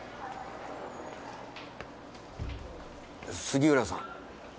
杉浦さん。